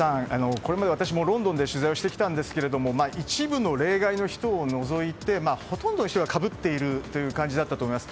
これまで私もロンドンで取材をしてきたんですけど一部の例外の人を除いてほとんどの人がかぶっている感じだったと思います。